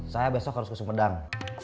saya besok harus ke sumedang